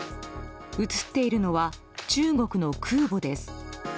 写っているのは中国の空母です。